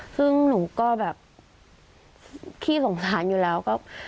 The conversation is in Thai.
ซึ่งหนูก็แบบขี้สงสารอยู่แล้วก็